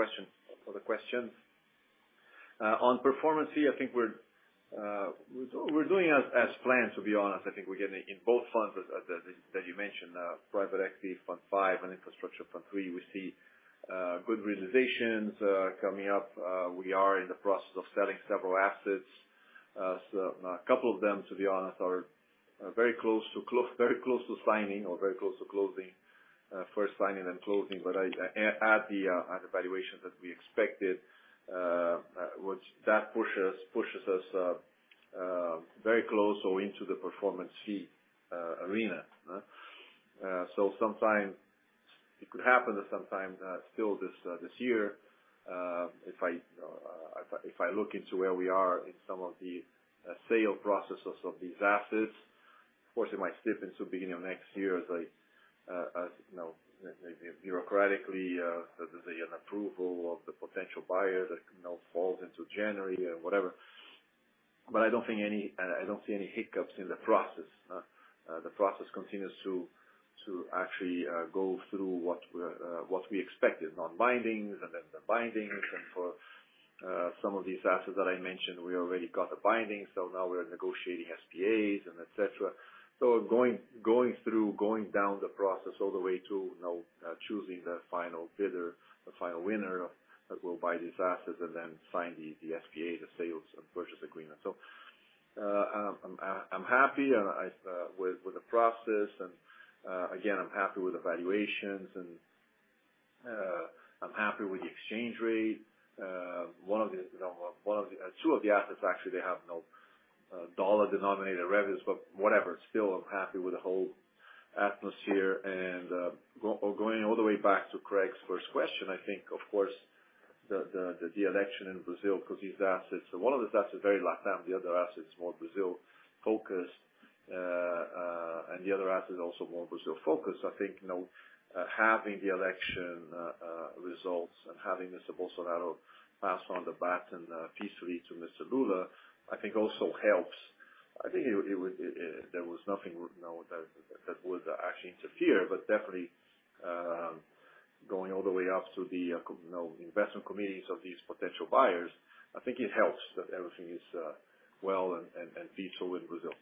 questions. On performance fee, I think we're doing as planned, to be honest. I think we're getting in both funds that you mentioned, private equity fund V and infrastructure fund III. We see good realizations coming up. We are in the process of selling several assets. A couple of them, to be honest, are very close to signing or very close to closing. First signing then closing. I add the valuations that we expected, which pushes us very close or into the performance fee arena. Sometime it could happen sometime still this year if I look into where we are in some of the sale processes of these assets. Of course, it might slip into beginning of next year as you know, maybe bureaucratically there's an approval of the potential buyer that you know falls into January or whatever. But I don't see any hiccups in the process. The process continues to actually go through what we expected, non-bindings and then the bindings. For some of these assets that I mentioned, we already got a binding, so now we're negotiating SPAs and et cetera. Going through the process all the way to, you know, choosing the final bidder, the final winner that will buy these assets and then sign the SPA, the sales and purchase agreement. I'm happy with the process. Again, I'm happy with valuations and I'm happy with the exchange rate. One of the, you know, two of the assets actually they have no dollar-denominated revenues. But whatever, still I'm happy with the whole atmosphere. Going all the way back to Craig's first question, I think of course the election in Brazil, because these assets, one of the assets is very LatAm, the other asset is more Brazil-focused, and the other asset is also more Brazil-focused. I think, you know, having the election results and having Mr. Bolsonaro pass on the baton peacefully to Mr. Lula, I think also helps. I think it would there was nothing, you know, that would actually interfere. Definitely, going all the way up to the you know investment committees of these potential buyers, I think it helps that everything is well and peaceful in Brazil.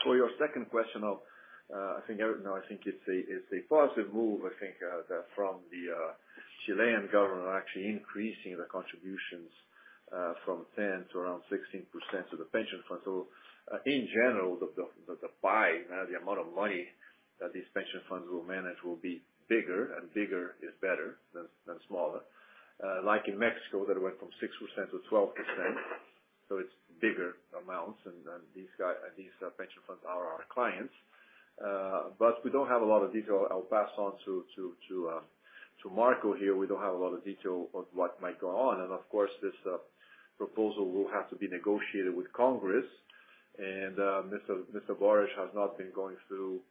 For your second question of, I think, you know, I think it's a positive move, I think that from the Chilean government are actually increasing the contributions from 10 to around 16% of the pension fund. In general, the amount of money that these pension funds will manage will be bigger, and bigger is better than smaller. Like in Mexico, that went from 6%-12%, so it's bigger amounts. These pension funds are our clients. But we don't have a lot of detail. I'll pass on to Marco here. We don't have a lot of detail of what might go on. Of course, this proposal will have to be negotiated with Congress. Mr. Boric has not been going through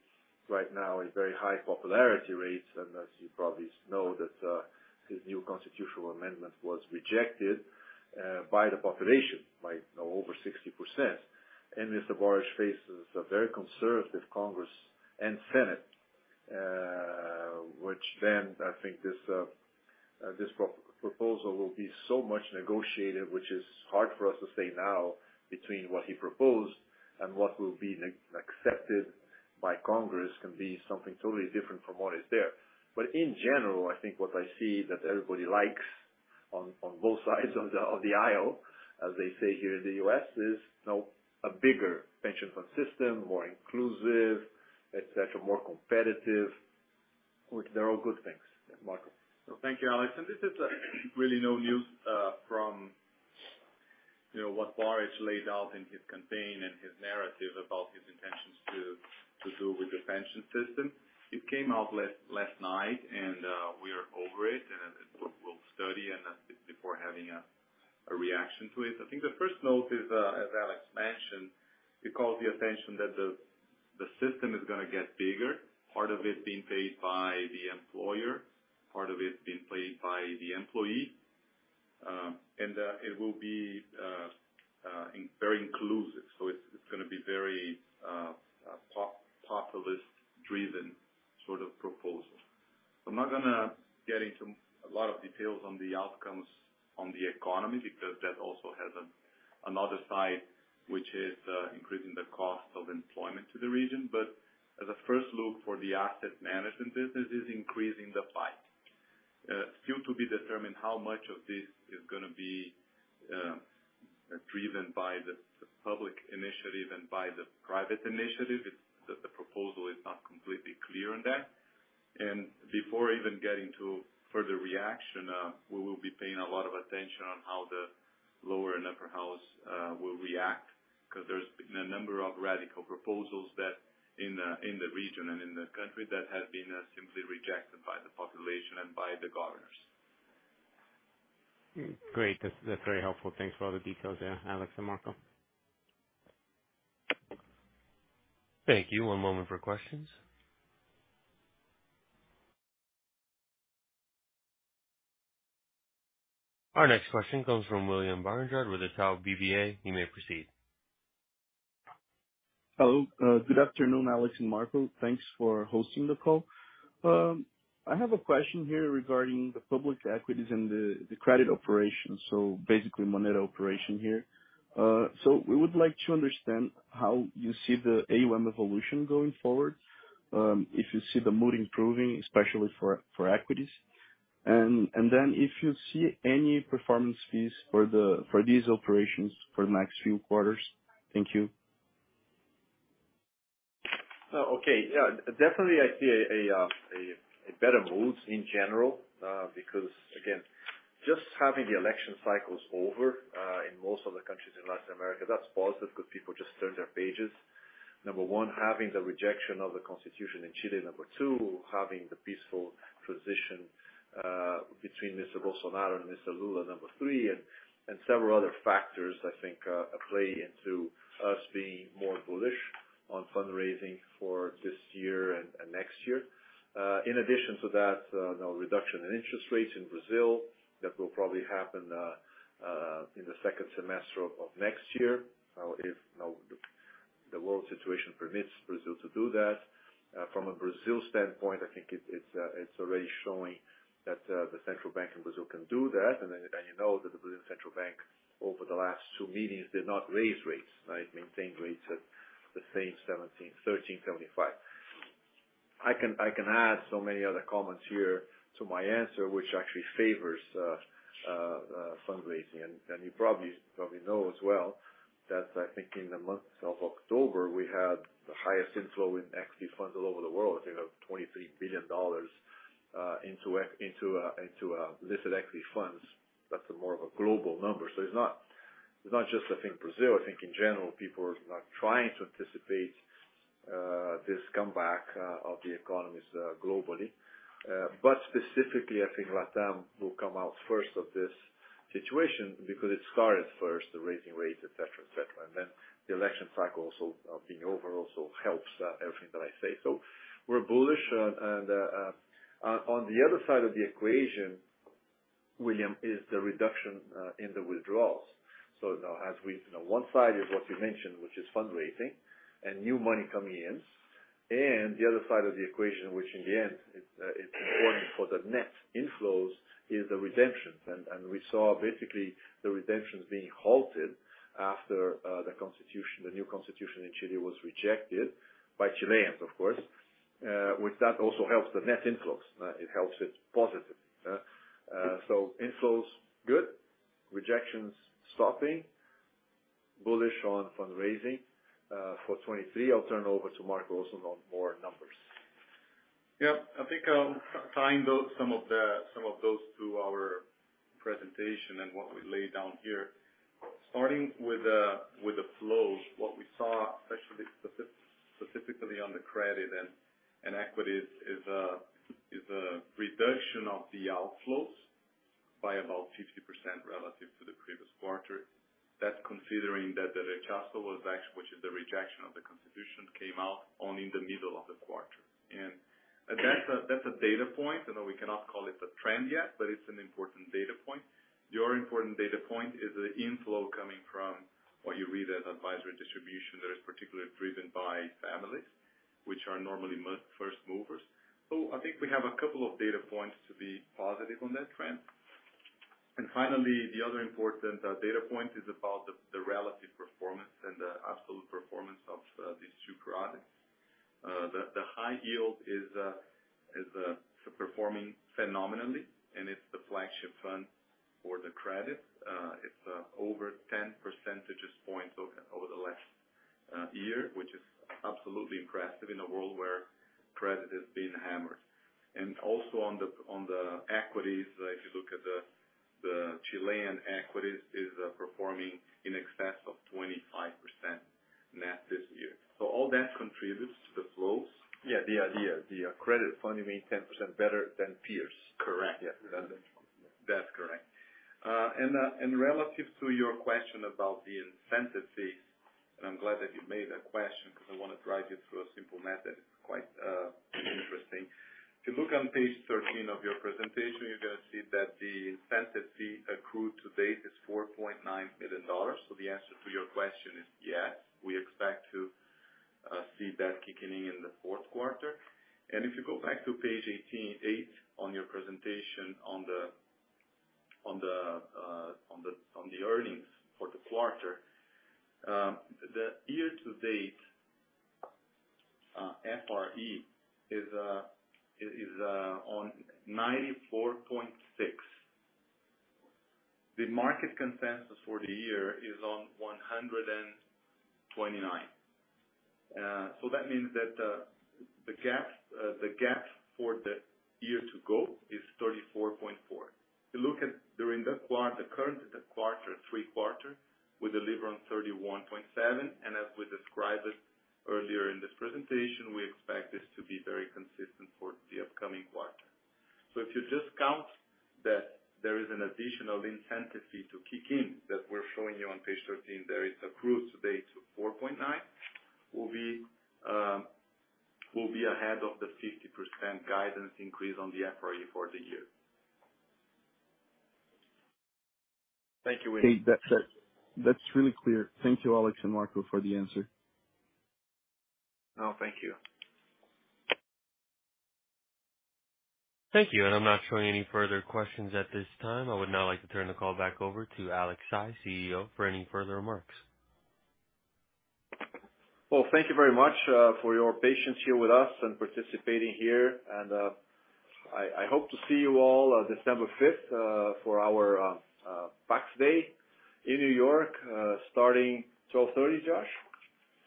right now in very high popularity rates. As you probably know, that his new constitutional amendment was rejected by the population, you know, over 60%. Mr. Boric faces a very conservative Congress and Senate, which then I think this proposal will be so much negotiated, which is hard for us to say now between what he proposed and what will be accepted by Congress can be something totally different from what is there. In general, I think what I see that everybody likes on both sides of the aisle, as they say here in the U.S., is, you know, a bigger pension fund system, more inclusive, etc., more competitive, which they're all good things. Yeah, Marco. Thank you, Alex. This is really no news from you know what Boric laid out in his campaign and his narrative about his intentions to do with the pension system. It came out last night, and we are over it, and we'll study and then before having a reaction to it. I think the first note is as Alex mentioned, he called the attention that the system is gonna get bigger, part of it being paid by the employer, part of it being paid by the employee. It will be very inclusive. It's gonna be very populist driven sort of proposal. I'm not gonna get into a lot of details on the outlook on the economy because that also has another side which is increasing the cost of employment in the region. As a first look for the asset management business is increasing the fight. It's yet to be determined how much of this is gonna be driven by the public initiative and by the private initiative. The proposal is not completely clear on that. Before even getting to further reaction, we will be paying a lot of attention on how the lower and upper house will react, 'cause there's been a number of radical proposals that in the region and in the country that have been simply rejected by the population and by the governors. Great. That's very helpful. Thanks for all the details there, Alex and Marco. Thank you. One moment for questions. Our next question comes from William Barranjard with Itaú BBA. You may proceed. Hello. Good afternoon, Alex and Marco. Thanks for hosting the call. I have a question here regarding the public equities and the credit operations, so basically Moneda operation here. We would like to understand how you see the AUM evolution going forward, if you see the mood improving, especially for equities, and then if you see any performance fees for these operations for the next few quarters. Thank you. Okay. Yeah, definitely I see a better mood in general, because again, just having the election cycles over in most of the countries in Latin America, that's positive because people just turn their pages. Number one, having the rejection of the constitution in Chile. Number two, having the peaceful transition between Mr. Bolsonaro and Mr. Lula. Number three, and several other factors I think play into us being more bullish on fundraising for this year and next year. In addition to that, you know, reduction in interest rates in Brazil that will probably happen in the second semester of next year, if you know, the world situation permits Brazil to do that. From a Brazil standpoint, I think it's already showing that the central bank in Brazil can do that. You know that the Brazilian Central Bank over the last two meetings did not raise rates, right? Maintained rates at the same 13.75%. I can add so many other comments here to my answer, which actually favors fundraising. You probably know as well that I think in the month of October, we had the highest inflow in equity funds all over the world. I think $23 billion into listed equity funds. That's more of a global number. It's not just I think Brazil. I think in general, people are not trying to anticipate this comeback of the economies globally. Specifically, I think LatAm will come out first of this situation because it started first, the raising rates, et cetera, et cetera. Then the election cycle also being over also helps everything that I say. We're bullish. On the other side of the equation, William, is the reduction in the withdrawals. You know, one side is what you mentioned, which is fundraising and new money coming in. The other side of the equation, which in the end is important for the net inflows, is the redemptions. We saw basically the redemptions being halted after the constitution, the new constitution in Chile was rejected by Chileans, of course. Which that also helps the net inflows. It helps it positive. Inflows, good. Rejections stopping. Bullish on fundraising for 2023. I'll turn over to Marco also on more numbers. Yeah. I think I'll tie in some of those to our presentation and what we laid down here. Starting with the flows, what we saw especially specifically on the credit and equities is a reduction of the outflows by about 50% relative to the previous quarter. That's considering that the Rechazo was actually, which is the rejection of the constitution, came out only in the middle of the quarter. That's a data point. You know, we cannot call it a trend yet, but it's an important data point. The other important data point is the inflow coming from what you read as advisory distribution that is particularly driven by families, which are normally first movers. I think we have a couple of data points to be positive on that trend. Finally, the other important data point is about the relative performance and the absolute performance of these two products. The high yield is performing phenomenally, and it's the flagship fund for the credit. It's over 10 percentage points over the last year, which is absolutely impressive in a world where credit has been hammered. Also on the equities, if you look at the Chilean equities is performing in excess of 25% net this year. All that contributes to the flows. Yeah. The credit fund made 10% better than peers. Correct. Yeah. That's correct. Relative to your question about the incentive fees, I'm glad that you made that question because I wanna drive you through a simple method. It's quite interesting. If you look on page 13 of your presentation, you're gonna see that the incentive fee accrued to date is $4.9 million. The answer to your question is, yes, we expect to see that kicking in in the fourth quarter. If you go back to page 18 and 8 on your presentation on the earnings for the quarter, the year-to-date FRE is on $94.6. The market consensus for the year is on $129. That means that the gap for the year to go is $34.4. If you look at during the quarter, current quarter, third quarter, we deliver on $31.7, and as we described it earlier in this presentation, we expect this to be very consistent for the upcoming quarter. If you just count that there is an additional incentive fee to kick in that we're showing you on page 13, that is approved to date of $4.9, we'll be ahead of the 50% guidance increase on the FRE for the year. Thank you, William. Okay. That's really clear. Thank you, Alex and Marco, for the answer. No, thank you. Thank you. I'm not showing any further questions at this time. I would now like to turn the call back over to Alex Saigh, CEO, for any further remarks. Well, thank you very much for your patience here with us and participating here. I hope to see you all on December 5th for our Patria Day in New York starting 12:30, Josh?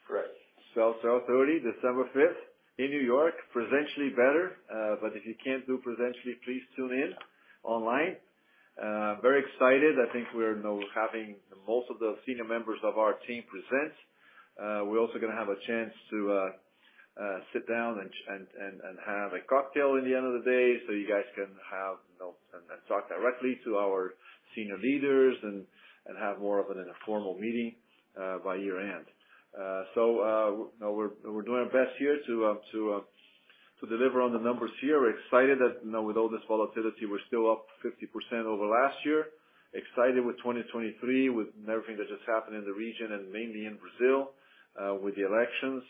Correct. 12:30, December 5th in New York. In person is better, but if you can't do in person, please tune in online. Very excited. I think we're now having most of the senior members of our team present. We're also gonna have a chance to sit down and have a cocktail at the end of the day, so you guys can have, you know, and talk directly to our senior leaders and have more of an informal meeting by year-end. We're doing our best here to deliver on the numbers here. We're excited that, you know, with all this volatility, we're still up 50% over last year. Excited with 2023 with everything that just happened in the region and mainly in Brazil with the elections.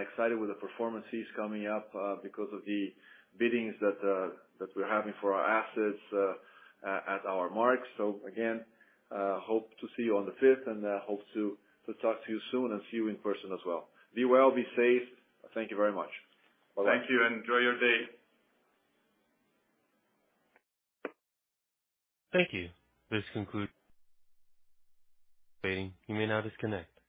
excited with the performances coming up because of the biddings that we're having for our assets at our marks. Again, hope to see you on the fifth and hope to talk to you soon and see you in person as well. Be well, be safe. Thank you very much. Bye-bye. Thank you, and enjoy your day. Thank you. This concludes. You may now disconnect.